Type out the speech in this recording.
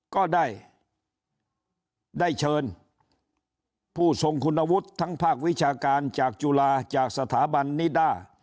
ก็ได้เชิญผู้ทรงคุณวุฒิทั้งภาควิชาการจากจุฬาจากสถาบันนิด้า